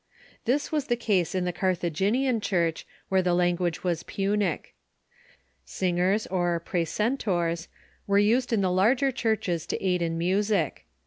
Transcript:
This was the case in the Carthaginian Church, where the language was Punic. Singers, or precentors, were used in the larger churches to aid in mu sic.